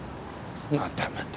またまた。